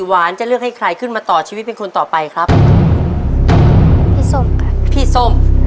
หวานจะเลือกให้ใครขึ้นมาต่อชีวิตเป็นคนต่อไปครับพี่ส้มค่ะพี่ส้ม